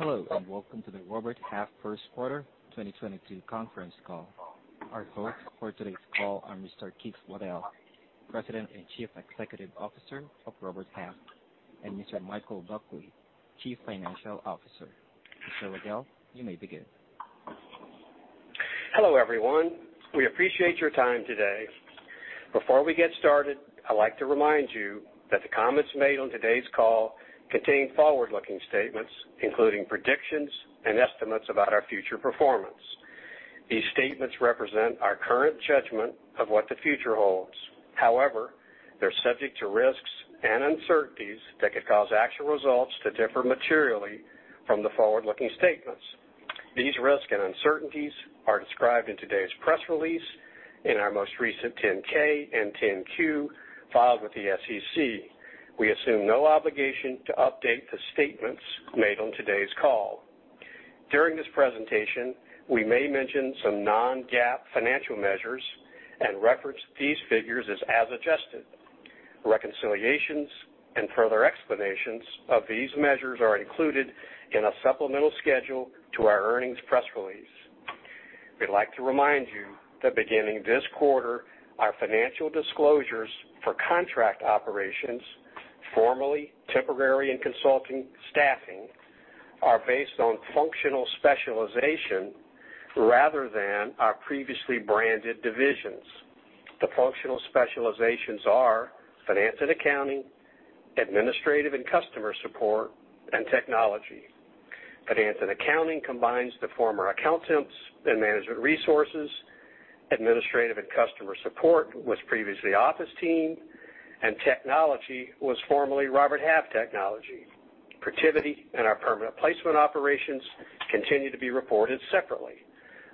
Hello, and welcome to the Robert Half first quarter 2022 conference call. Our hosts for today's call are Mr. Keith Waddell, President and Chief Executive Officer of Robert Half, and Mr. Michael Buckley, Chief Financial Officer. Mr. Waddell, you may begin. Hello, everyone. We appreciate your time today. Before we get started, I'd like to remind you that the comments made on today's call contain forward-looking statements, including predictions and estimates about our future performance. These statements represent our current judgment of what the future holds. However, they're subject to risks and uncertainties that could cause actual results to differ materially from the forward-looking statements. These risks and uncertainties are described in today's press release in our most recent 10-K and 10-Q filed with the SEC. We assume no obligation to update the statements made on today's call. During this presentation, we may mention some non-GAAP financial measures and reference these figures as adjusted. Reconciliations and further explanations of these measures are included in a supplemental schedule to our earnings press release. We'd like to remind you that beginning this quarter, our financial disclosures for contract operations, formerly temporary and consulting staffing, are based on functional specialization rather than our previously branded divisions. The functional specializations are finance and accounting, administrative and customer support, and technology. Finance and accounting combines the former Accountemps and Management Resources. Administrative and customer support was previously OfficeTeam, and technology was formerly Robert Half Technology. Protiviti and our Permanent Placement operations continue to be reported separately.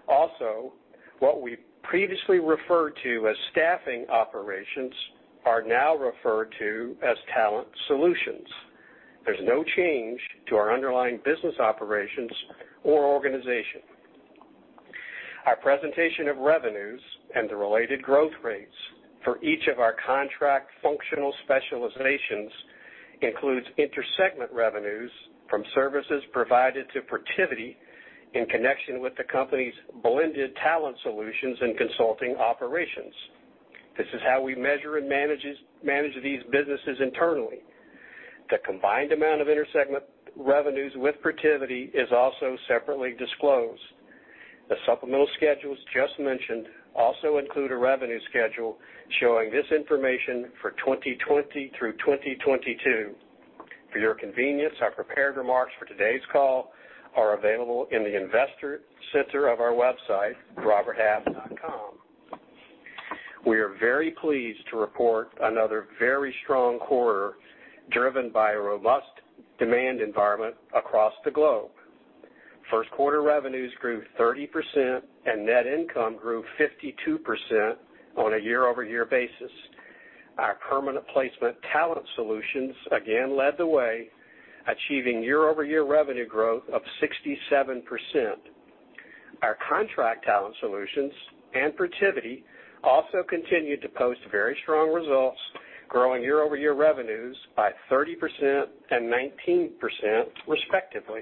Also, what we previously referred to as staffing operations are now referred to as Talent Solutions. There's no change to our underlying business operations or organization. Our presentation of revenues and the related growth rates for each of our contract functional specializations includes intersegment revenues from services provided to Protiviti in connection with the company's blended Talent Solutions and consulting operations. This is how we measure and manage these businesses internally. The combined amount of intersegment revenues with Protiviti is also separately disclosed. The supplemental schedules just mentioned also include a revenue schedule showing this information for 2020 through 2022. For your convenience, our prepared remarks for today's call are available in the investor center of our website, roberthalf.com. We are very pleased to report another very strong quarter, driven by a robust demand environment across the globe. First quarter revenues grew 30%, and net income grew 52% on a year-over-year basis. Our Permanent Placement Talent Solutions again led the way, achieving year-over-year revenue growth of 67%. Our Contract Talent Solutions and Protiviti also continued to post very strong results, growing year-over-year revenues by 30% and 19%, respectively.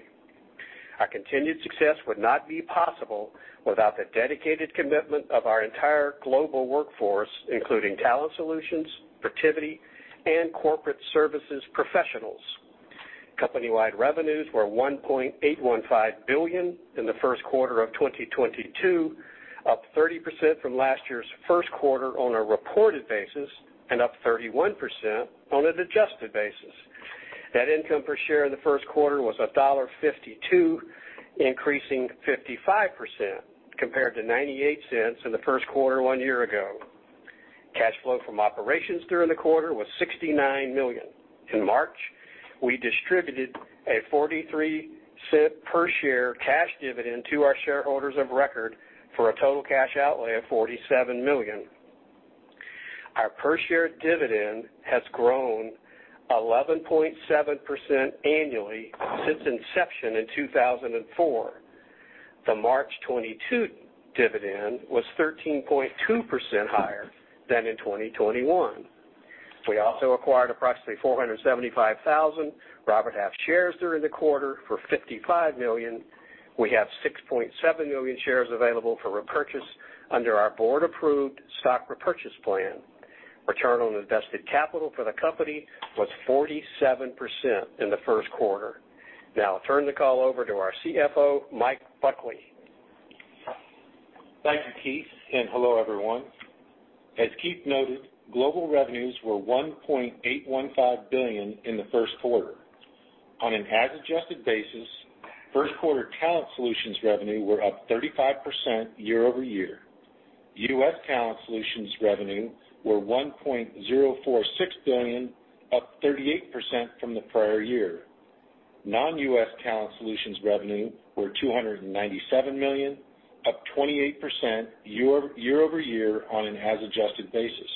Our continued success would not be possible without the dedicated commitment of our entire global workforce, including Talent Solutions, Protiviti, and corporate services professionals. Company-wide revenues were $1.815 billion in the first quarter of 2022, up 30% from last year's first quarter on a reported basis, and up 31% on an adjusted basis. Net income per share in the first quarter was $1.52, increasing 55% compared to $0.98 in the first quarter one year ago. Cash flow from operations during the quarter was $69 million. In March, we distributed a $.043 per share cash dividend to our shareholders of record for a total cash outlay of $47 million. Our per share dividend has grown 11.7% annually since inception in 2004. The March 2022 dividend was 13.2% higher than in 2021. We also acquired approximately 475,000 Robert Half shares during the quarter for $55 million. We have 6.7 million shares available for repurchase under our board-approved stock repurchase plan. Return on invested capital for the company was 47% in the first quarter. Now I'll turn the call over to our CFO, Mike Buckley. Thank you, Keith, and hello, everyone. As Keith noted, global revenues were $1.815 billion in the first quarter. On an as-adjusted basis, first quarter Talent Solutions revenue were up 35% year-over-year. U.S. Talent Solutions revenue were $1.046 billion, up 38% from the prior year. Non-U.S. Talent Solutions revenue were $297 million, up 28% year-over-year on an as-adjusted basis.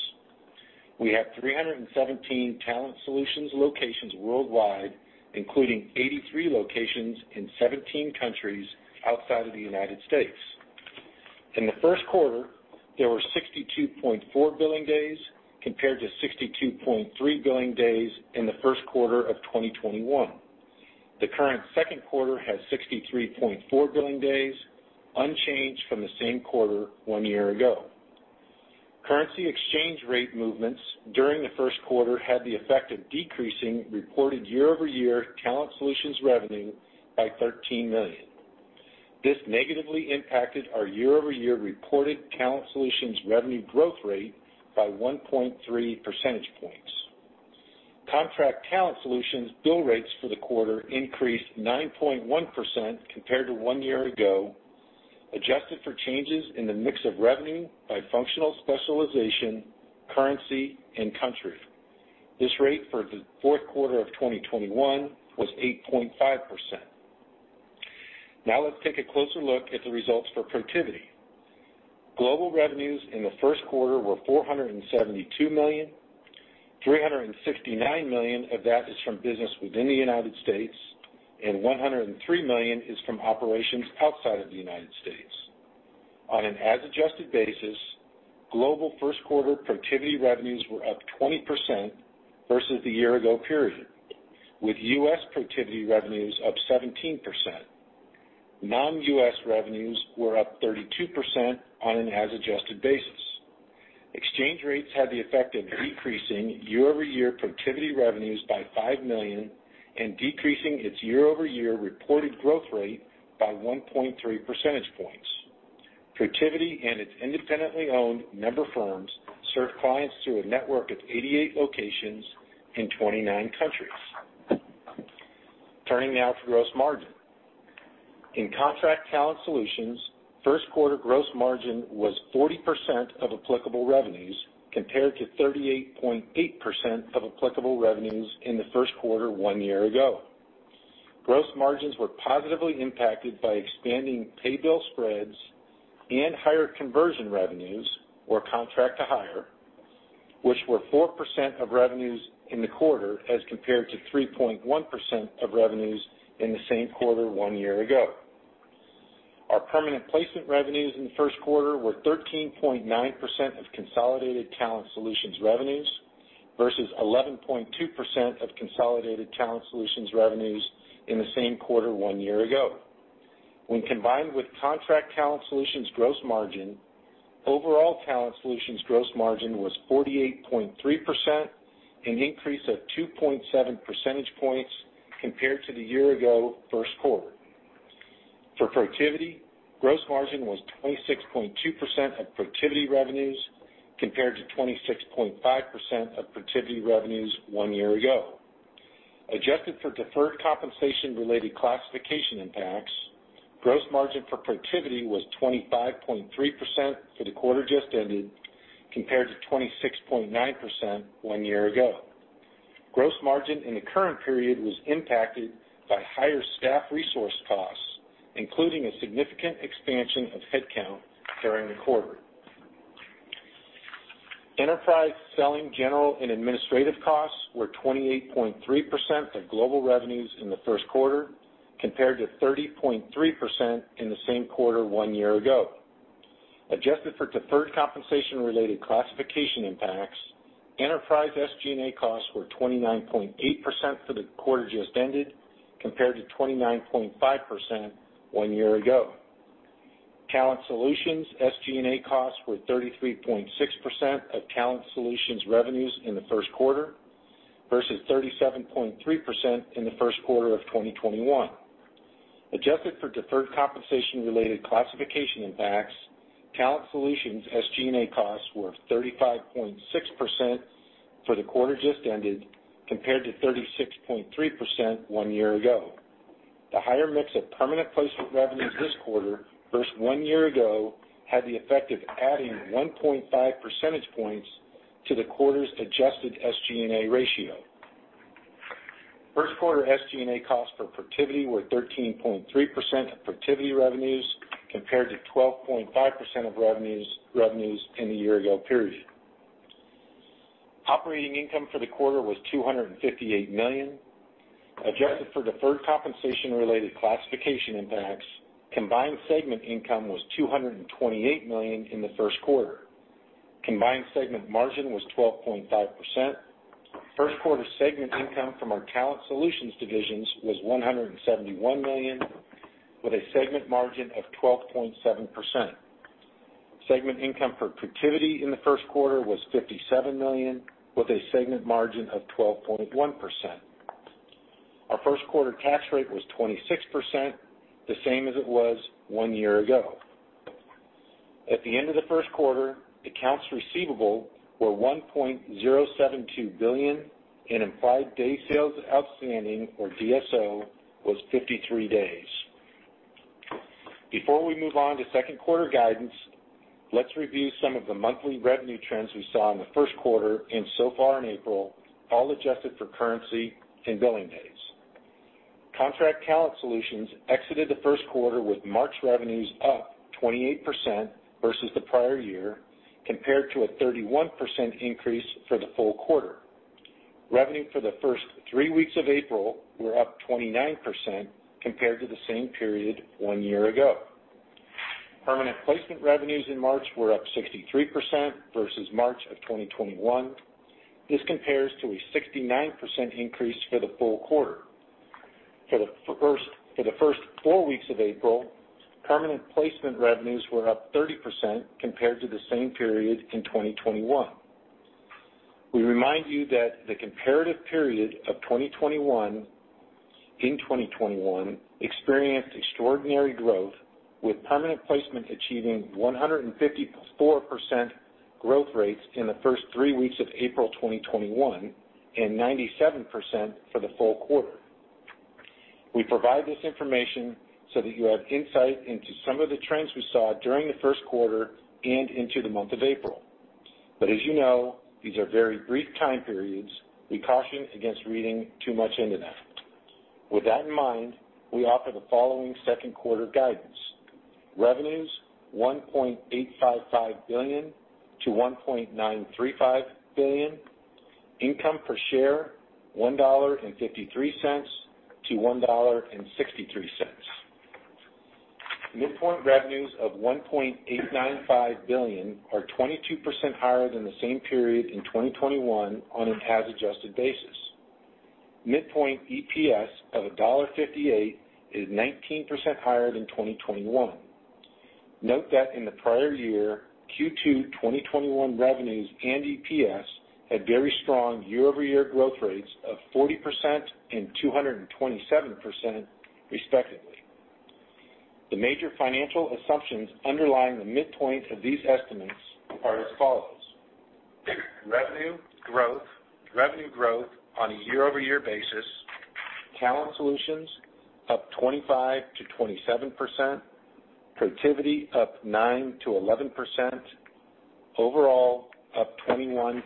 We have 317 Talent Solutions locations worldwide, including 83 locations in 17 countries outside of the United States. In the first quarter, there were 62.4 billing days compared to 62.3 billing days in the first quarter of 2021. The current second quarter has 63.4 billing days, unchanged from the same quarter one year ago. Currency exchange rate movements during the first quarter had the effect of decreasing reported year-over-year Talent Solutions revenue by $13 million. This negatively impacted our year-over-year reported Talent Solutions revenue growth rate by 1.3 percentage points. Contract Talent Solutions bill rates for the quarter increased 9.1% compared to one year ago, adjusted for changes in the mix of revenue by functional specialization, currency, and country. This rate for the fourth quarter of 2021 was 8.5%. Now let's take a closer look at the results for Protiviti. Global revenues in the first quarter were $472 million. $369 million of that is from business within the United States, and $103 million is from operations outside of the United States. On an as-adjusted basis, global first quarter Protiviti revenues were up 20% versus the year-ago period, with U.S. Protiviti revenues up 17%. Non-U.S. revenues were up 32% on an as-adjusted basis. Exchange rates had the effect of decreasing year-over-year Protiviti revenues by $5 million and decreasing its year-over-year reported growth rate by 1.3 percentage points. Protiviti and its independently owned member firms serve clients through a network of 88 locations in 29 countries. Turning now to gross margin. In Contract Talent Solutions, first quarter gross margin was 40% of applicable revenues compared to 38.8% of applicable revenues in the first quarter one year ago. Gross margins were positively impacted by expanding pay/bill spreads and higher conversion revenues from contract to hire, which were 4% of revenues in the quarter as compared to 3.1% of revenues in the same quarter one year ago. Our permanent placement revenues in the first quarter were 13.9% of consolidated Talent Solutions revenues versus 11.2% of consolidated Talent Solutions revenues in the same quarter one year ago. When combined with Contract Talent Solutions gross margin, overall Talent Solutions gross margin was 48.3%, an increase of 2.7 percentage points compared to the year-ago first quarter. For Protiviti, gross margin was 26.2% of Protiviti revenues compared to 26.5% of Protiviti revenues one year ago. Adjusted for deferred compensation-related classification impacts, gross margin for Protiviti was 25.3% for the quarter just ended, compared to 26.9% one year ago. Gross margin in the current period was impacted by higher staff resource costs, including a significant expansion of headcount during the quarter. Enterprise selling, general, and administrative costs were 28.3% of global revenues in the first quarter, compared to 30.3% in the same quarter one year ago. Adjusted for deferred compensation-related classification impacts, enterprise SG&A costs were 29.8% for the quarter just ended, compared to 29.5% one year ago. Talent Solutions SG&A costs were 33.6% of Talent Solutions revenues in the first quarter versus 37.3% in the first quarter of 2021. Adjusted for deferred compensation-related classification impacts, Talent Solutions SG&A costs were 35.6% for the quarter just ended, compared to 36.3% one year ago. The higher mix of Permanent Placement revenues this quarter versus one year ago had the effect of adding 1.5 percentage points to the quarter's adjusted SG&A ratio. First quarter SG&A costs for Protiviti were 13.3% of Protiviti revenues compared to 12.5% of revenues in the year-ago period. Operating income for the quarter was $258 million. Adjusted for deferred compensation-related classification impacts, combined segment income was $228 million in the first quarter. Combined segment margin was 12.5%. First quarter segment income from our Talent Solutions divisions was $171 million, with a segment margin of 12.7%. Segment income for Protiviti in the first quarter was $57 million, with a segment margin of 12.1%. Our first quarter tax rate was 26%, the same as it was one year ago. At the end of the first quarter, accounts receivable were $1.072 billion and implied days sales outstanding, or DSO, was 53 days. Before we move on to second quarter guidance, let's review some of the monthly revenue trends we saw in the first quarter and so far in April, all adjusted for currency and billing days. Contract Talent Solutions exited the first quarter with March revenues up 28% versus the prior year, compared to a 31% increase for the full quarter. Revenue for the first three weeks of April were up 29% compared to the same period one year ago. Permanent Placement revenues in March were up 63% versus March of 2021. This compares to a 69% increase for the full quarter. For the first four weeks of April, Permanent Placement revenues were up 30% compared to the same period in 2021. We remind you that the comparative period of 2021 experienced extraordinary growth, with Permanent Placement achieving 154% growth rates in the first three weeks of April 2021, and 97% for the full quarter. We provide this information so that you have insight into some of the trends we saw during the first quarter and into the month of April. As you know, these are very brief time periods. We caution against reading too much into that. With that in mind, we offer the following second quarter guidance. Revenues, $1.855 billion-$1.935 billion. Income per share, $1.53-$1.63. Midpoint revenues of $1.895 billion are 22% higher than the same period in 2021 on an as adjusted basis. Midpoint EPS of $1.58 is 19% higher than 2021. Note that in the prior year, Q2 2021 revenues and EPS had very strong year-over-year growth rates of 40% and 227% respectively. The major financial assumptions underlying the midpoint of these estimates are as follows. Revenue growth, revenue growth on a year-over-year basis, Talent Solutions up 25%-27%, Protiviti up 9%-11%, overall up 21%-23%.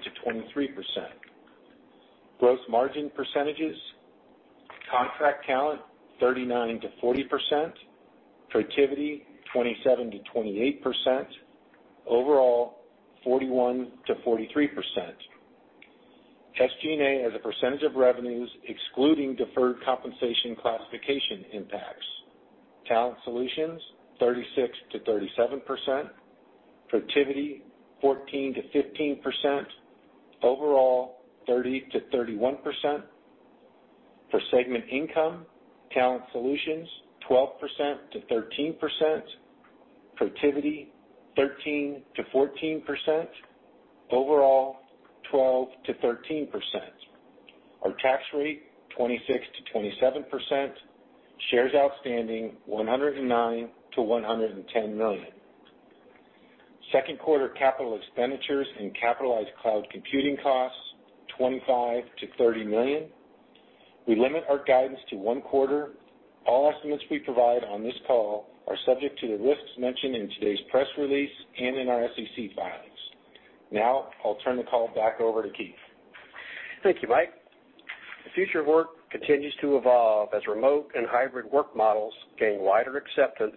Gross margin percentages, contract talent, 39%-40%. Protiviti, 27%-28%. Overall, 41%-43%. SG&A as a percentage of revenues excluding deferred compensation classification impacts, Talent Solutions 36%-37%, Protiviti 14%-15%, overall 30%-31%. For segment income, Talent Solutions 12%-13%, Protiviti 13%-14%, overall 12%-13%. Our tax rate, 26%-27%. Shares outstanding, 109-110 million. Second quarter capital expenditures and capitalized cloud computing costs, $25 million-$30 million. We limit our guidance to one quarter. All estimates we provide on this call are subject to the risks mentioned in today's press release and in our SEC filings. Now I'll turn the call back over to Keith. Thank you, Mike. The future of work continues to evolve as remote and hybrid work models gain wider acceptance,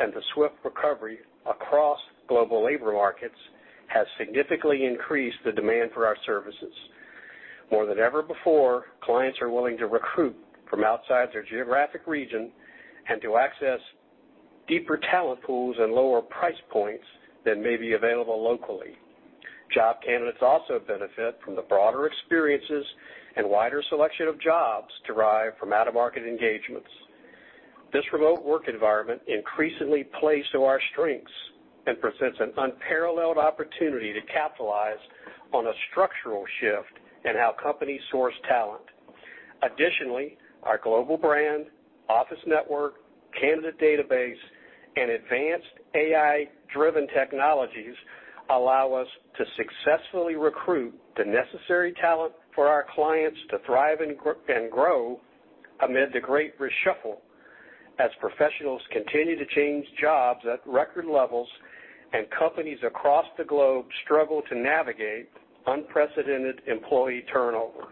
and the swift recovery across global labor markets has significantly increased the demand for our services. More than ever before, clients are willing to recruit from outside their geographic region and to access deeper talent pools and lower price points than may be available locally. Job candidates also benefit from the broader experiences and wider selection of jobs derived from out-of-market engagements. This remote work environment increasingly plays to our strengths and presents an unparalleled opportunity to capitalize on a structural shift in how companies source talent. Additionally, our global brand, office network, candidate database, and advanced AI-driven technologies allow us to successfully recruit the necessary talent for our clients to thrive and grow amid the great reshuffle, as professionals continue to change jobs at record levels and companies across the globe struggle to navigate unprecedented employee turnover.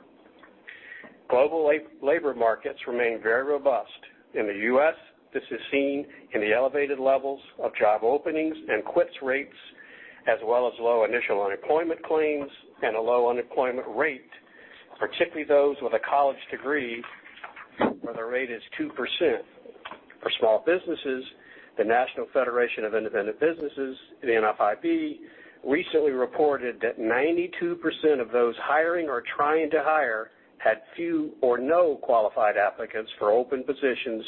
Global labor markets remain very robust. In the U.S., this is seen in the elevated levels of job openings and quits rates, as well as low initial unemployment claims and a low unemployment rate, particularly those with a college degree, where the rate is 2%. For small businesses, the National Federation of Independent Business, the NFIB, recently reported that 92% of those hiring or trying to hire had few or no qualified applicants for open positions,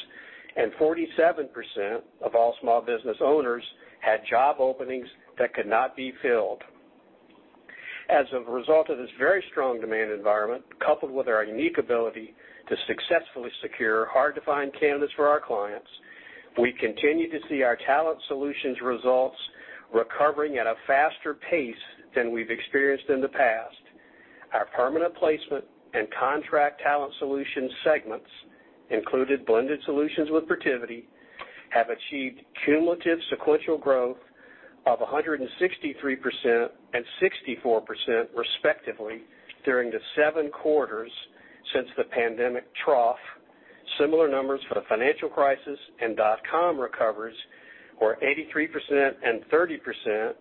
and 47% of all small business owners had job openings that could not be filled. As a result of this very strong demand environment, coupled with our unique ability to successfully secure hard-to-find candidates for our clients, we continue to see our Talent Solutions results recovering at a faster pace than we've experienced in the past. Our Permanent Placement and Contract Talent Solutions segments, included blended solutions with Protiviti, have achieved cumulative sequential growth of 163% and 64% respectively during the 7 quarters since the pandemic trough. Similar numbers for the financial crisis and dot-com recoveries were 83% and 30%,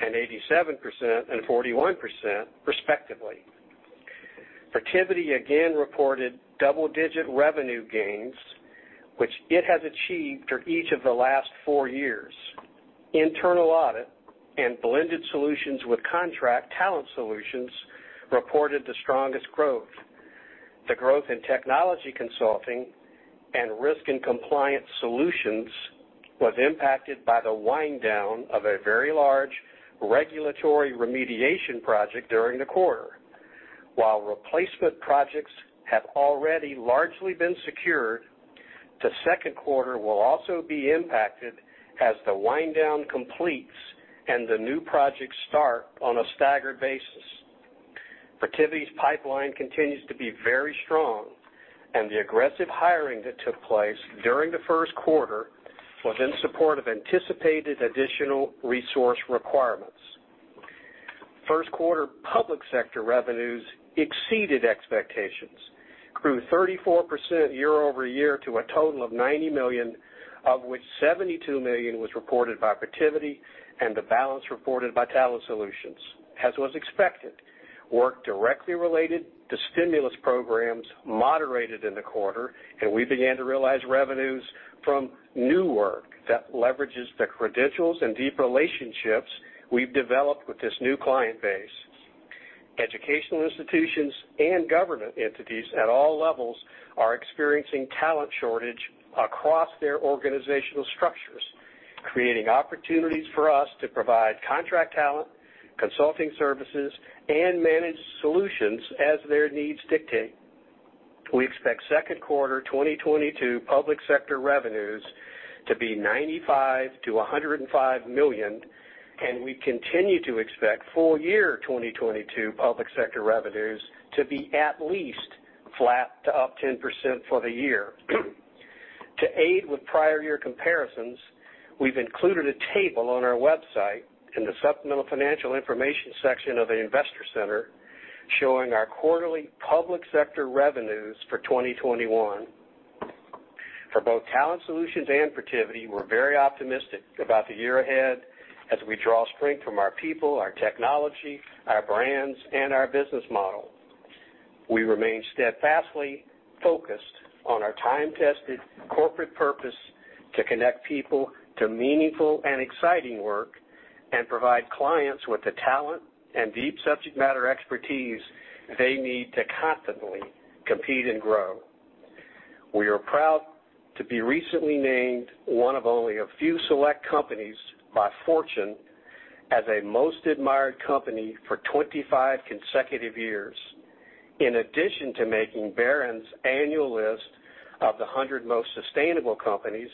and 87% and 41% respectively. Protiviti again reported double-digit revenue gains, which it has achieved for each of the last 4 years. Internal audit and blended solutions with Contract Talent Solutions reported the strongest growth. The growth in technology consulting and risk and compliance solutions was impacted by the wind down of a very large regulatory remediation project during the quarter. While replacement projects have already largely been secured, the second quarter will also be impacted as the wind down completes and the new projects start on a staggered basis. Protiviti's pipeline continues to be very strong, and the aggressive hiring that took place during the first quarter was in support of anticipated additional resource requirements. First quarter public sector revenues exceeded expectations, grew 34% year-over-year to a total of $90 million, of which $72 million was reported by Protiviti and the balance reported by Talent Solutions. As was expected, work directly related to stimulus programs moderated in the quarter, and we began to realize revenues from new work that leverages the credentials and deep relationships we've developed with this new client base. Educational institutions and government entities at all levels are experiencing talent shortage across their organizational structures, creating opportunities for us to provide contract talent, consulting services, and managed solutions as their needs dictate. We expect second quarter 2022 public sector revenues to be $95 million-$105 million, and we continue to expect full year 2022 public sector revenues to be at least flat to up 10% for the year. To aid with prior year comparisons, we've included a table on our website in the supplemental financial information section of the Investor Center, showing our quarterly public sector revenues for 2021. For both Talent Solutions and Protiviti, we're very optimistic about the year ahead as we draw strength from our people, our technology, our brands, and our business model. We remain steadfastly focused on our time-tested corporate purpose to connect people to meaningful and exciting work, and provide clients with the talent and deep subject matter expertise they need to constantly compete and grow. We are proud to be recently named one of only a few select companies by Fortune as a most admired company for 25 consecutive years, in addition to making Barron's annual list of the 100 most sustainable companies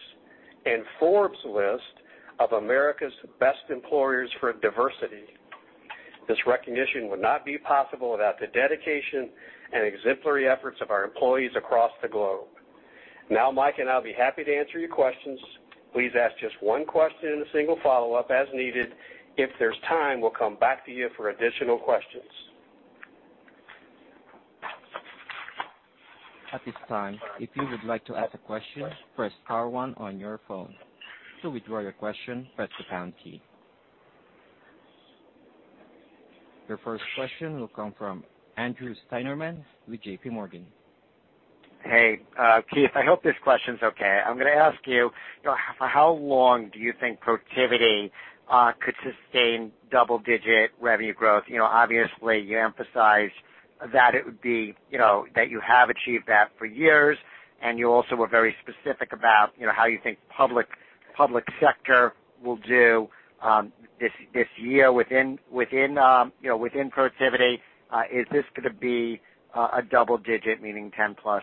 and Forbes list of America's best employers for diversity. This recognition would not be possible without the dedication and exemplary efforts of our employees across the globe. Now, Mike and I'll be happy to answer your questions. Please ask just one question and a single follow-up as needed. If there's time, we'll come back to you for additional questions. Your first question will come from Andrew Steinerman with J.P. Morgan. Hey, Keith. I hope this question is okay. I'm gonna ask you know, for how long do you think Protiviti could sustain double-digit revenue growth? You know, obviously, you emphasize that it would be, you know, that you have achieved that for years, and you also were very specific about, you know, how you think public sector will do this year within Protiviti. Is this gonna be a double-digit, meaning 10%+,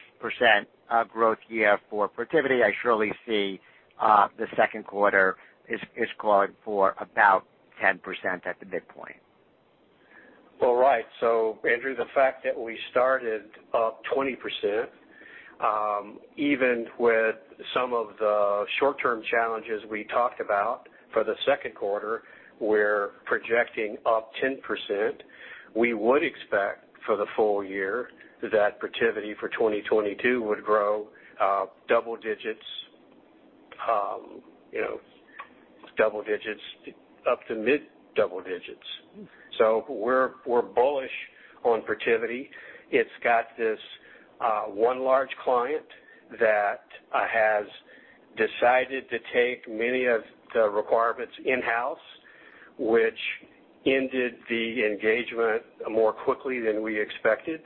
growth year for Protiviti? I surely see the second quarter is calling for about 10% at the midpoint. All right. Andrew, the fact that we started up 20%, even with some of the short-term challenges we talked about for the second quarter, we're projecting up 10%. We would expect for the full year that Protiviti for 2022 would grow, double digits, you know, double digits up to mid-double digits. We're bullish on Protiviti. It's got this, one large client that, has decided to take many of the requirements in-house, which ended the engagement more quickly than we expected.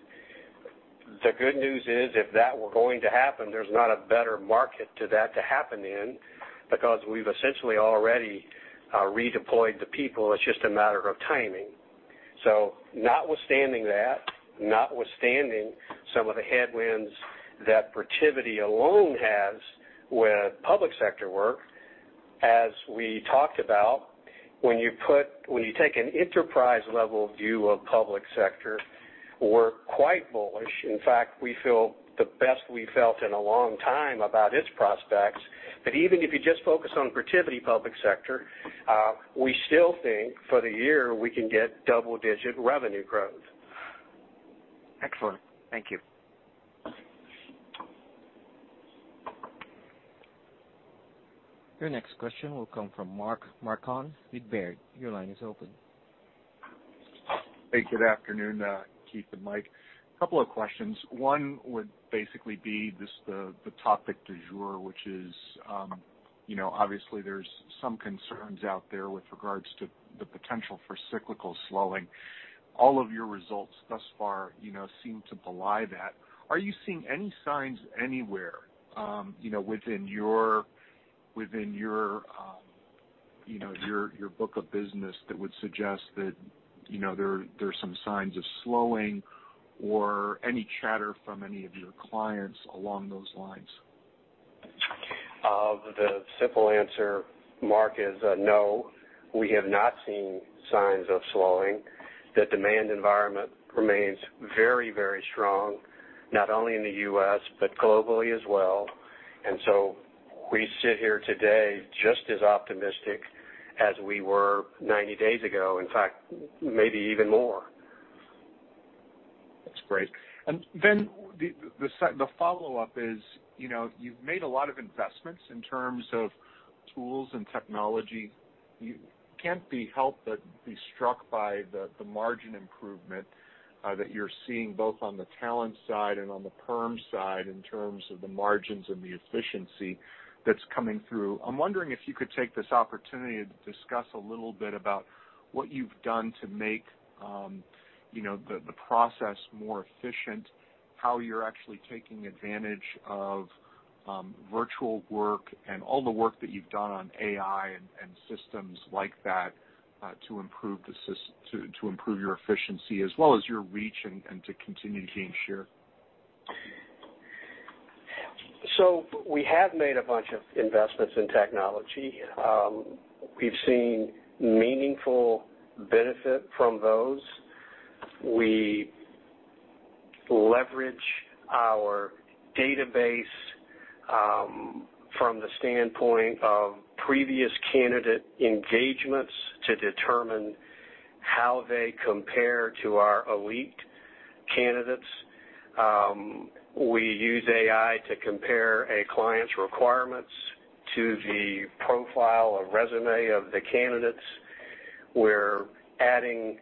The good news is if that were going to happen, there's not a better market for that to happen in because we've essentially already, redeployed the people. It's just a matter of timing. Notwithstanding that, notwithstanding some of the headwinds that Protiviti alone has with public sector work, as we talked about, when you take an enterprise-level view of public sector, we're quite bullish. In fact, we feel the best we've felt in a long time about its prospects. Even if you just focus on Protiviti Public Sector, we still think for the year we can get double-digit revenue growth. Excellent. Thank you. Your next question will come from Mark Marcon with Baird. Your line is open. Hey, good afternoon, Keith and Mike. Couple of questions. One would basically be just the topic du jour, which is, you know, obviously there's some concerns out there with regards to the potential for cyclical slowing. All of your results thus far, you know, seem to belie that. Are you seeing any signs anywhere, you know, within your, you know, your book of business that would suggest that, you know, there are some signs of slowing or any chatter from any of your clients along those lines? The simple answer, Mark, is no. We have not seen signs of slowing. The demand environment remains very, very strong, not only in the U.S., but globally as well. We sit here today just as optimistic as we were 90 days ago, in fact, maybe even more. That's great. The follow-up is you've made a lot of investments in terms of tools and technology. You can't help but be struck by the margin improvement that you're seeing both on the talent side and on the perm side in terms of the margins and the efficiency that's coming through. I'm wondering if you could take this opportunity to discuss a little bit about what you've done to make the process more efficient, how you're actually taking advantage of virtual work and all the work that you've done on AI and systems like that to improve your efficiency as well as your reach and to continue to gain share. We have made a bunch of investments in technology. We've seen meaningful benefit from those. We leverage our database, from the standpoint of previous candidate engagements to determine how they compare to our elite candidates. We use AI to compare a client's requirements to the profile or resume of the candidates. We're adding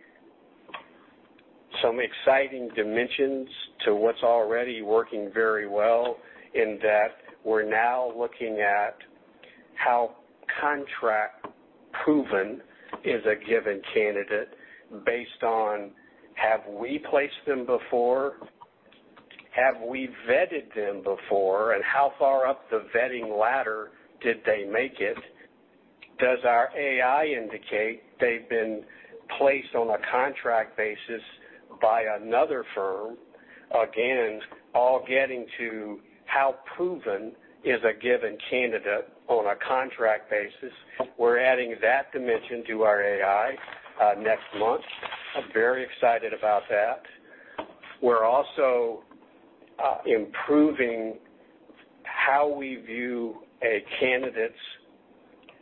some exciting dimensions to what's already working very well in that we're now looking at how contract proven is a given candidate based on have we placed them before? Have we vetted them before, and how far up the vetting ladder did they make it? Does our AI indicate they've been placed on a contract basis by another firm? Again, all getting to how proven is a given candidate on a contract basis. We're adding that dimension to our AI, next month. I'm very excited about that. We're also improving how we view a candidate's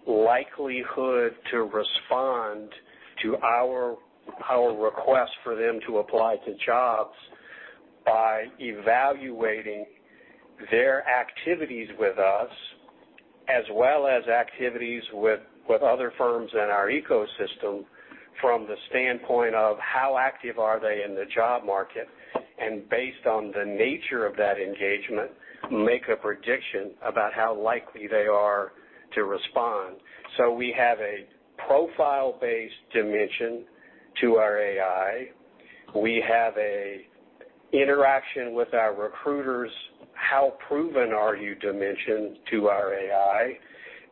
likelihood to respond to our request for them to apply to jobs by evaluating their activities with us as well as activities with other firms in our ecosystem from the standpoint of how active are they in the job market. Based on the nature of that engagement, make a prediction about how likely they are to respond. We have a profile-based dimension to our AI. We have a interaction with our recruiters, how proven are you dimension to our AI,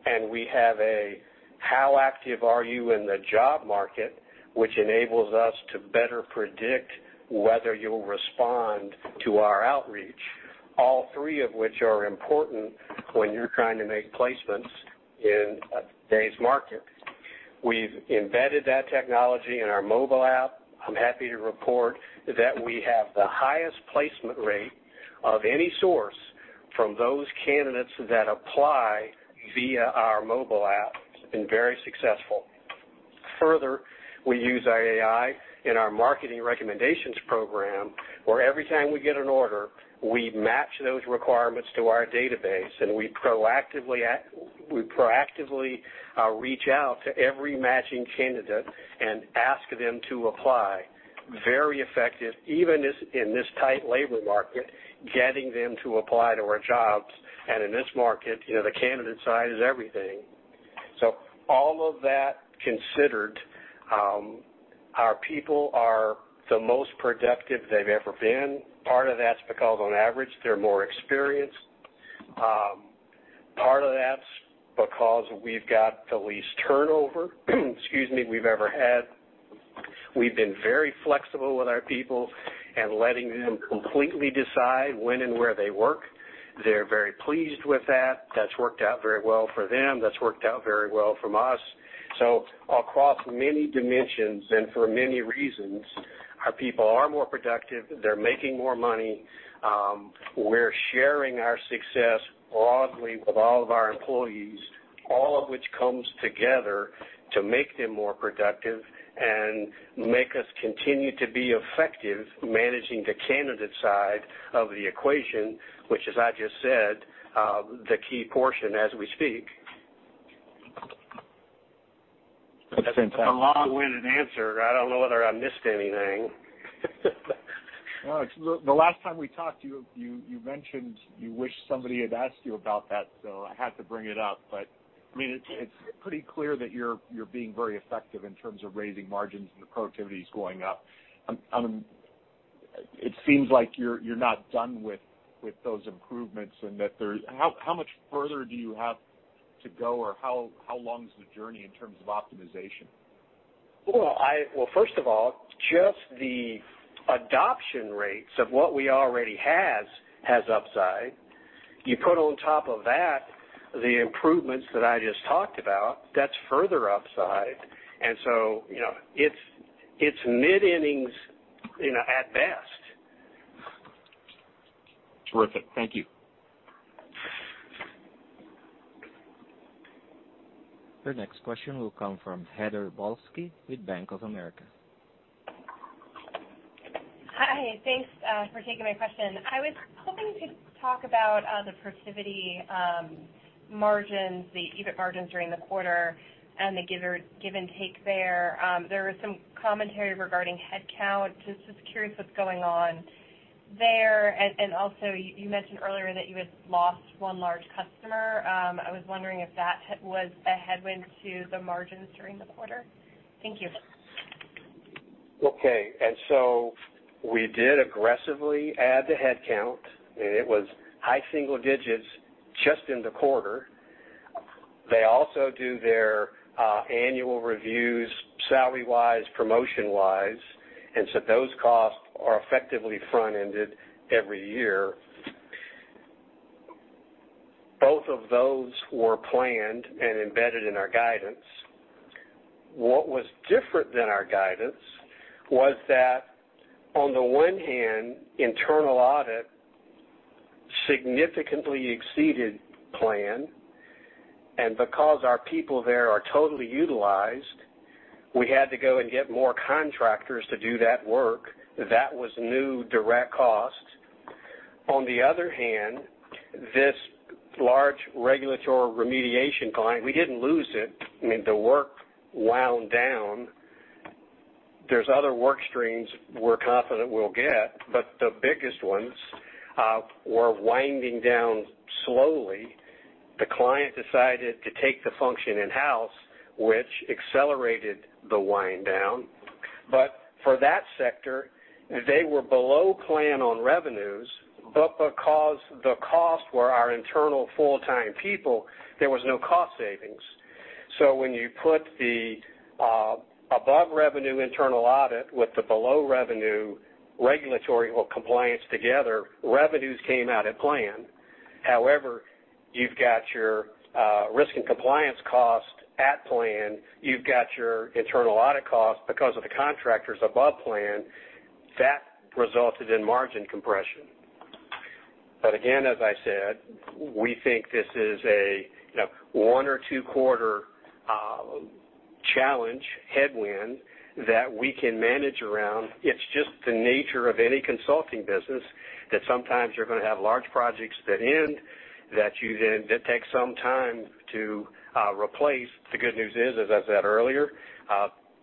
and we have a how active are you in the job market, which enables us to better predict whether you'll respond to our outreach, all three of which are important when you're trying to make placements in today's market. We've embedded that technology in our mobile app. I'm happy to report that we have the highest placement rate of any source from those candidates that apply via our mobile app. It's been very successful. Further, we use our AI in our marketing recommendations program, where every time we get an order, we match those requirements to our database, and we proactively reach out to every matching candidate and ask them to apply. Very effective, even in this tight labor market, getting them to apply to our jobs. In this market, you know, the candidate side is everything. All of that considered, our people are the most productive they've ever been. Part of that's because on average, they're more experienced. Part of that's because we've got the least turnover, excuse me, we've ever had. We've been very flexible with our people and letting them completely decide when and where they work. They're very pleased with that. That's worked out very well for them. That's worked out very well for us. Across many dimensions and for many reasons, our people are more productive. They're making more money. We're sharing our success broadly with all of our employees, all of which comes together to make them more productive and make us continue to be effective managing the candidate side of the equation, which as I just said, the key portion as we speak. That's been- A long-winded answer. I don't know whether I missed anything. No. The last time we talked, you mentioned you wish somebody had asked you about that, so I had to bring it up. I mean, it's pretty clear that you're being very effective in terms of raising margins and the productivity's going up. It seems like you're not done with those improvements and that there's how much further do you have to go or how long is the journey in terms of optimization? First of all, just the adoption rates of what we already has upside. You put on top of that the improvements that I just talked about, that's further upside. You know, it's mid-innings, you know, at best. Terrific. Thank you. Your next question will come from Heather Balsky with Bank of America. Hi. Thanks for taking my question. I was hoping to talk about the Protiviti margins, the EBIT margins during the quarter and the give and take there. There was some commentary regarding headcount. Just curious what's going on there. Also you mentioned earlier that you had lost one large customer. I was wondering if that was a headwind to the margins during the quarter. Thank you. Okay. We did aggressively add the headcount, and it was high single digits just in the quarter. They also do their annual reviews, salary-wise, promotion-wise, and so those costs are effectively front-ended every year. Both of those were planned and embedded in our guidance. What was different than our guidance was that on the one hand, internal audit significantly exceeded plan, and because our people there are totally utilized, we had to go and get more contractors to do that work. That was new direct cost. On the other hand, this large regulatory remediation client, we didn't lose it. I mean, the work wound down. There's other work streams we're confident we'll get, but the biggest ones were winding down slowly. The client decided to take the function in-house, which accelerated the wind down. For that sector, they were below plan on revenues, but because the costs were our internal full-time people, there was no cost savings. When you put the above revenue internal audit with the below revenue regulatory or compliance together, revenues came out at plan. However, you've got your risk and compliance cost at plan. You've got your internal audit cost because of the contractors above plan. That resulted in margin compression. Again, as I said, we think this is a, you know, one- or two-quarter challenge headwind that we can manage around. It's just the nature of any consulting business that sometimes you're gonna have large projects that end that take some time to replace. The good news is, as I said earlier,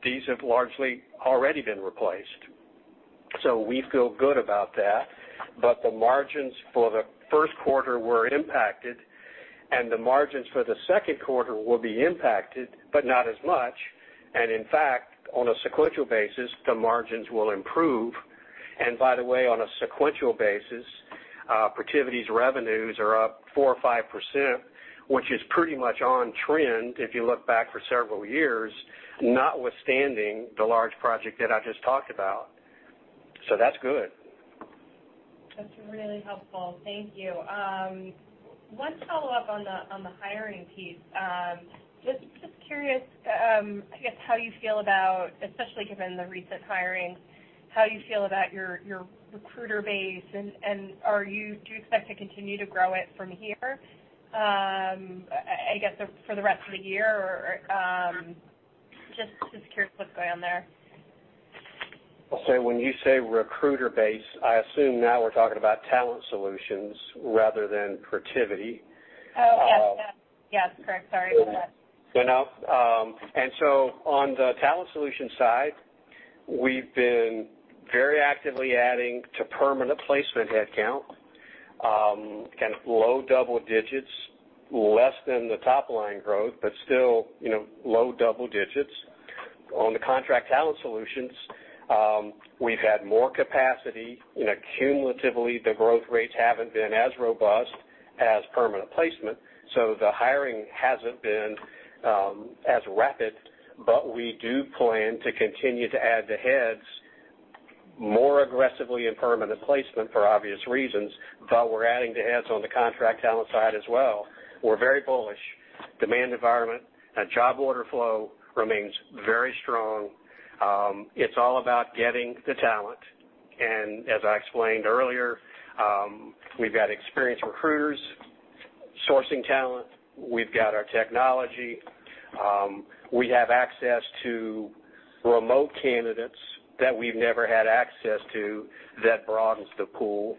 these have largely already been replaced. We feel good about that. The margins for the first quarter were impacted, and the margins for the second quarter will be impacted, but not as much. In fact, on a sequential basis, the margins will improve. By the way, on a sequential basis, Protiviti's revenues are up 4 or 5%, which is pretty much on trend if you look back for several years, notwithstanding the large project that I just talked about. That's good. That's really helpful. Thank you. One follow-up on the hiring piece. Just curious, I guess how you feel about, especially given the recent hiring, how you feel about your recruiter base and do you expect to continue to grow it from here, I guess for the rest of the year or just curious what's going on there. I'll say when you say recruiter base, I assume now we're talking about Talent Solutions rather than Protiviti. Oh, yes. Correct. Sorry about that. No, on the Talent Solutions side, we've been very actively adding to Permanent Placement headcount, kind of low double digits, less than the top-line growth, but still, you know, low double digits. On the Contract Talent Solutions, we've had more capacity. You know, cumulatively, the growth rates haven't been as robust as Permanent Placement, so the hiring hasn't been as rapid. We do plan to continue to add to headcount more aggressively in Permanent Placement for obvious reasons, but we're adding to headcount on the Contract Talent Solutions side as well. We're very bullish. The demand environment and job order flow remains very strong. It's all about getting the talent. As I explained earlier, we've got experienced recruiters sourcing talent. We've got our technology. We have access to remote candidates that we've never had access to that broadens the pool.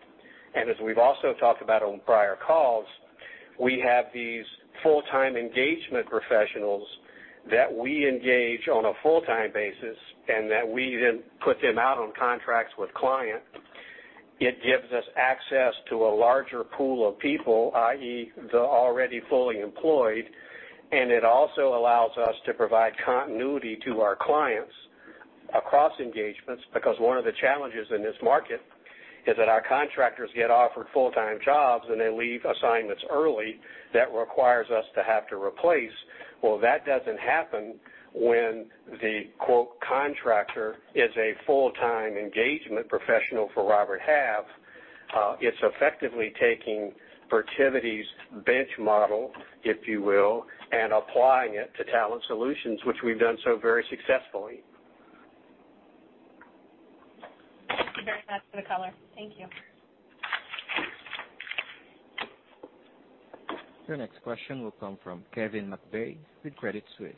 as we've also talked about on prior calls, we have these full-time engagement professionals that we engage on a full-time basis and that we then put them out on contracts with clients. It gives us access to a larger pool of people, i.e., the already fully employed, and it also allows us to provide continuity to our clients across engagements. Because one of the challenges in this market is that our contractors get offered full-time jobs, and they leave assignments early that requires us to have to replace. Well, that doesn't happen when the, quote, "contractor" is a full-time engagement professional for Robert Half. It's effectively taking Protiviti's bench model, if you will, and applying it to Talent Solutions, which we've done so very successfully. Thank you very much for the color. Thank you. Your next question will come from Kevin McVeigh with Credit Suisse.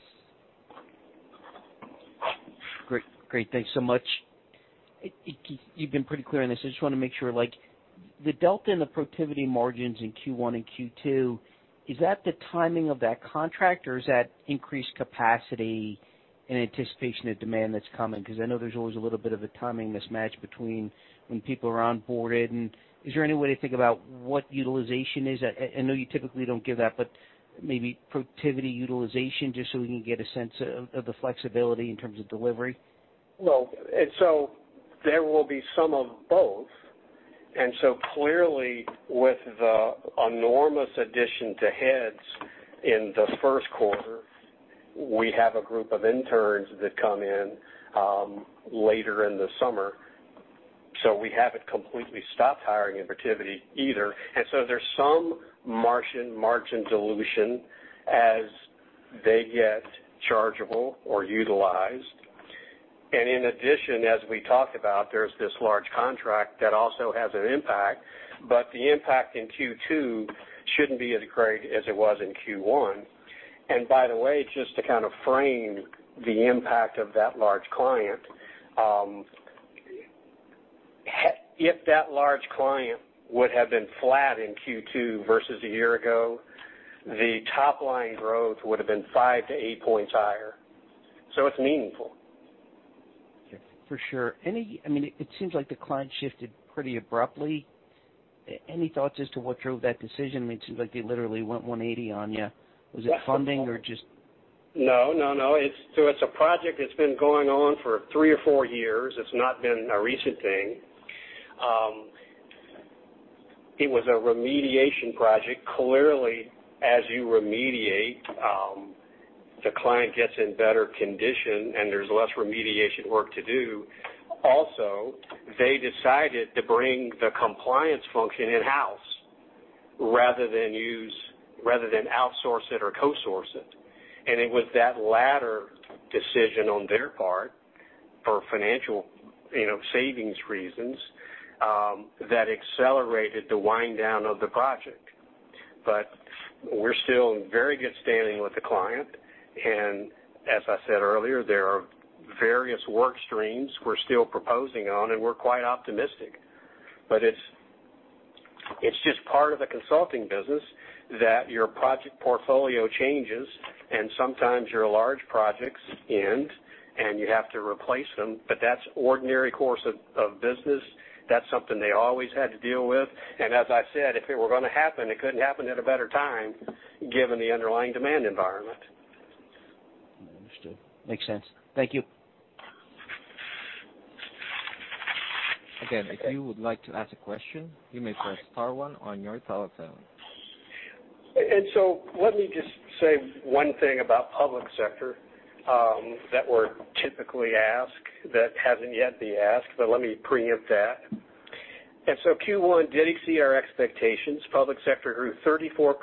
Great, thanks so much. You've been pretty clear on this. I just wanna make sure, like, the delta in the Protiviti margins in Q1 and Q2, is that the timing of that contract or is that increased capacity in anticipation of demand that's coming? 'Cause I know there's always a little bit of a timing mismatch between when people are onboarded. Is there any way to think about what utilization is? I know you typically don't give that, but maybe Protiviti utilization just so we can get a sense of the flexibility in terms of delivery. There will be some of both. Clearly, with the enormous addition to heads in the first quarter, we have a group of interns that come in later in the summer. We haven't completely stopped hiring in Protiviti either. There's some margin dilution as they get chargeable or utilized. In addition, as we talked about, there's this large contract that also has an impact, but the impact in Q2 shouldn't be as great as it was in Q1. By the way, just to kind of frame the impact of that large client, if that large client would have been flat in Q2 versus a year ago, the top-line growth would have been 5%-8% higher. It's meaningful. For sure. I mean, it seems like the client shifted pretty abruptly. Any thoughts as to what drove that decision? I mean, it seems like they literally went 180 on you. Was it funding or just- No, no. It's a project that's been going on for three or four years. It's not been a recent thing. It was a remediation project. Clearly, as you remediate, the client gets in better condition, and there's less remediation work to do. Also, they decided to bring the compliance function in-house rather than outsource it or co-source it. It was that latter decision on their part for financial, you know, savings reasons, that accelerated the wind down of the project. We're still in very good standing with the client. As I said earlier, there are various work streams we're still proposing on, and we're quite optimistic. It's just part of the consulting business that your project portfolio changes and sometimes your large projects end, and you have to replace them, but that's ordinary course of business. That's something they always had to deal with. As I said, if it were gonna happen, it couldn't happen at a better time given the underlying demand environment. Understood. Makes sense. Thank you. Again, if you would like to ask a question, you may press star one on your telephone. Let me just say one thing about public sector that we're typically asked that hasn't yet been asked, but let me preempt that. Q1 did exceed our expectations. Public sector grew 34%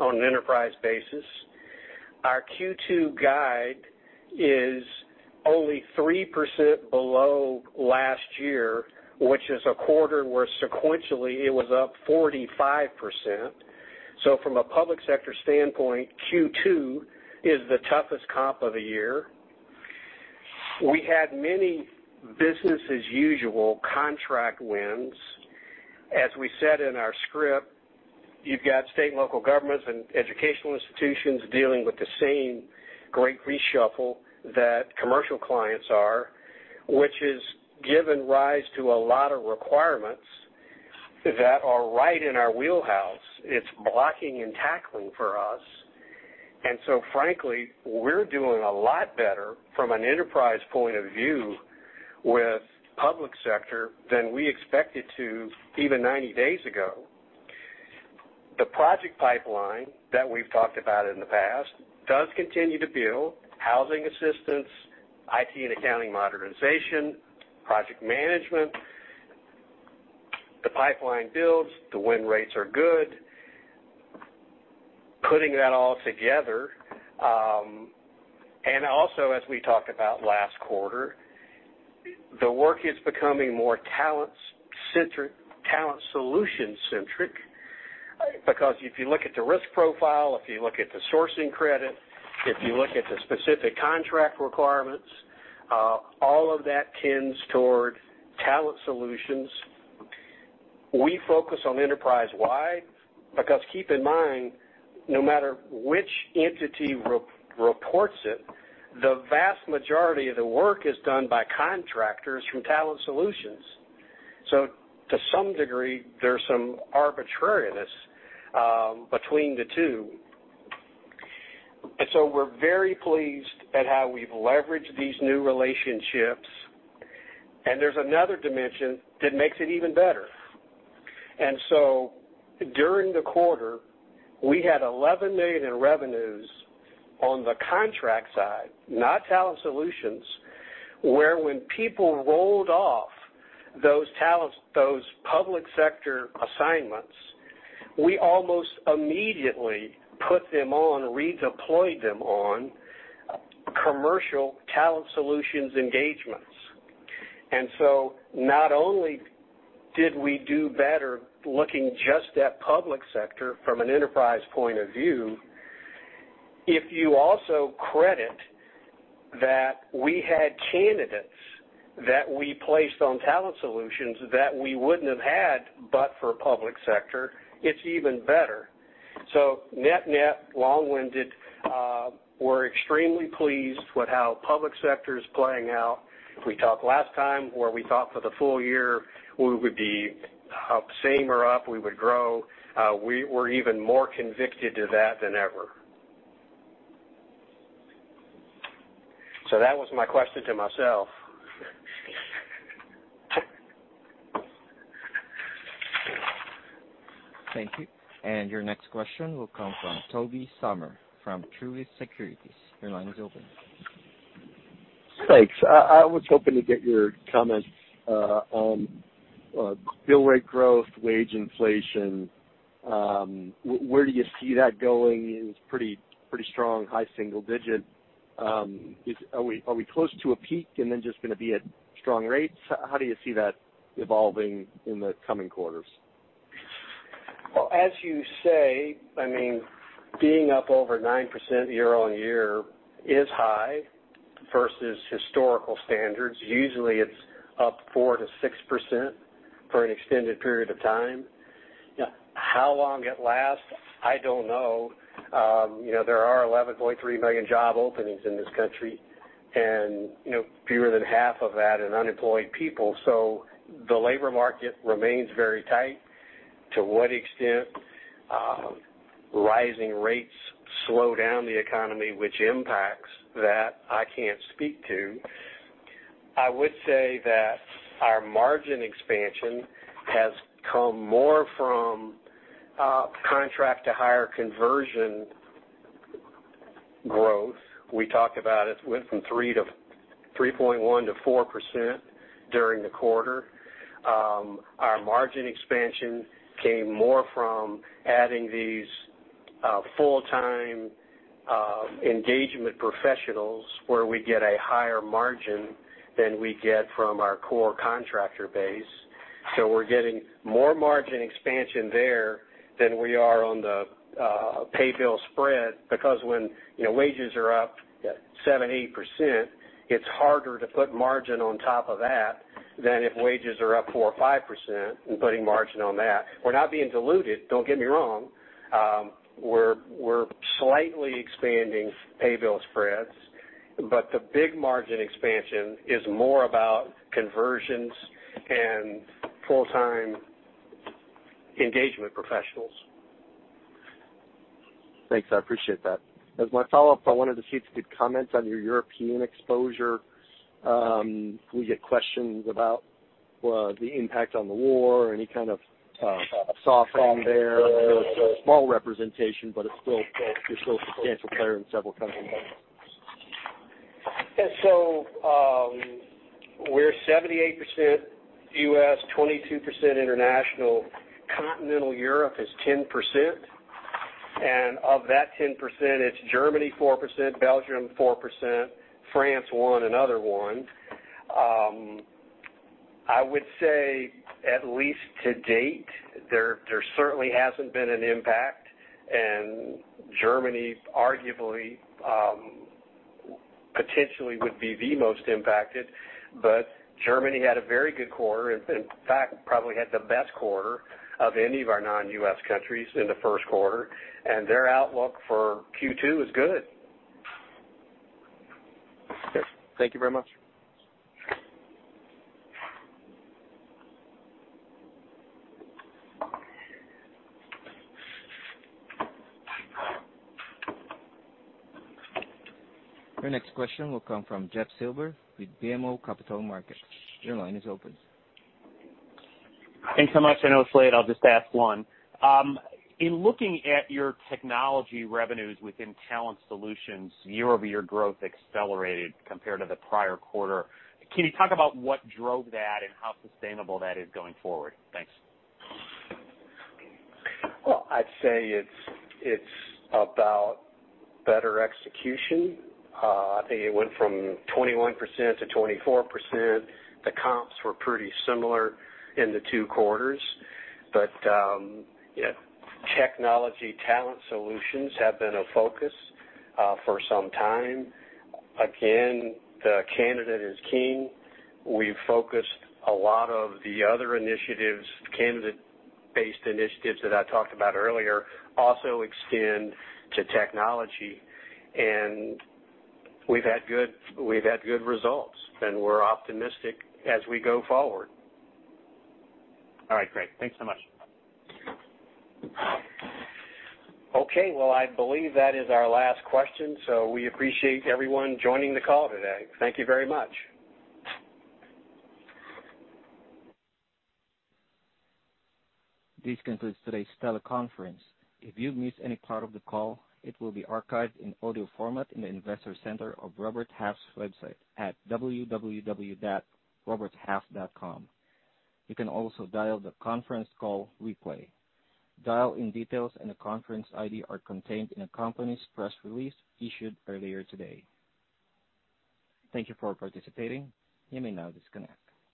on an enterprise basis. Our Q2 guide is only 3% below last year, which is a quarter where sequentially it was up 45%. From a public sector standpoint, Q2 is the toughest comp of the year. We had many business as usual contract wins. As we said in our script, you've got state and local governments and educational institutions dealing with the same great reshuffle that commercial clients are, which has given rise to a lot of requirements that are right in our wheelhouse. It's blocking and tackling for us. Frankly, we're doing a lot better from an enterprise point of view with public sector than we expected to even 90 days ago. The project pipeline that we've talked about in the past does continue to build. Housing assistance, IT and accounting modernization, project management. The pipeline builds, the win rates are good. Putting that all together, and also, as we talked about last quarter, the work is becoming more talent-centric, Talent Solutions-centric. Because if you look at the risk profile, if you look at the sourcing credit, if you look at the specific contract requirements, all of that tends toward Talent Solutions. We focus on enterprise-wide because keep in mind, no matter which entity re-reports it, the vast majority of the work is done by contractors from Talent Solutions. To some degree, there's some arbitrariness between the two. We're very pleased at how we've leveraged these new relationships. There's another dimension that makes it even better. During the quarter, we had $11 million in revenues on the contract side, not Talent Solutions, where when people rolled off those talent, those public sector assignments, we almost immediately put them on, redeployed them on commercial Talent Solutions engagements. Not only did we do better looking just at public sector from an enterprise point of view, if you also credit that we had candidates that we placed on Talent Solutions that we wouldn't have had but for public sector, it's even better. Net-net, long-winded, we're extremely pleased with how public sector is playing out. We talked last time where we thought for the full year we would be up, same or up, we would grow. We're even more convicted to that than ever. That was my question to myself. Thank you. Your next question will come from Tobey Sommer from Truist Securities. Your line is open. Thanks. I was hoping to get your comments on bill rate growth, wage inflation. Where do you see that going? It's pretty strong, high single digit. Are we close to a peak and then just gonna be at strong rates? How do you see that evolving in the coming quarters? As you say, I mean, being up over 9% year-over-year is high versus historical standards. Usually, it's up 4%-6% for an extended period of time. How long it lasts, I don't know. You know, there are 11.3 million job openings in this country and, you know, fewer than half of that in unemployed people, so the labor market remains very tight. To what extent rising rates slow down the economy, which impacts that, I can't speak to. I would say that our margin expansion has come more from contract-to-hire conversion growth. We talked about it. It went from 3.1% to 4% during the quarter. Our margin expansion came more from adding these full-time engagement professionals, where we get a higher margin than we get from our core contractor base. We're getting more margin expansion there than we are on the pay/bill spread, because when you know wages are up 7%-8%, it's harder to put margin on top of that than if wages are up 4% or 5% and putting margin on that. We're not being diluted, don't get me wrong. We're slightly expanding pay/bill spreads, but the big margin expansion is more about conversions and full-time engagement professionals. Thanks. I appreciate that. As my follow-up, I wanted to see if you could comment on your European exposure. We get questions about, well, the impact on the war or any kind of soft there. I know it's a small representation, but it's still, you're still a substantial player in several countries. We're 78% U.S., 22% international. Continental Europe is 10%. Of that 10%, it's Germany 4%, Belgium 4%, France 1%, and other 1%. I would say at least to date, there certainly hasn't been an impact. Germany, arguably, potentially would be the most impacted. Germany had a very good quarter. In fact, probably had the best quarter of any of our non-U.S. countries in the first quarter. Their outlook for Q2 is good. Okay. Thank you very much. Your next question will come from Jeff Silber with BMO Capital Markets. Your line is open. Thanks so much. I know it's late. I'll just ask one. In looking at your technology revenues within Talent Solutions, year-over-year growth accelerated compared to the prior quarter. Can you talk about what drove that and how sustainable that is going forward? Thanks. Well, I'd say it's about better execution. I think it went from 21% to 24%. The comps were pretty similar in the two quarters. You know, technology Talent Solutions have been a focus for some time. Again, the candidate is king. We've focused a lot of the other initiatives, candidate-based initiatives that I talked about earlier also extend to technology, and we've had good results, and we're optimistic as we go forward. All right, great. Thanks so much. Okay, well, I believe that is our last question, so we appreciate everyone joining the call today. Thank you very much. This concludes today's teleconference. If you've missed any part of the call, it will be archived in audio format in the investor center of Robert Half's website at www.roberthalf.com. You can also dial the conference call replay. Dial-in details and the conference ID are contained in the company's press release issued earlier today. Thank you for participating. You may now disconnect.